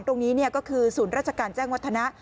ตรงนี้ก็คือศูนย์ราชการแจ้งวัฒนะ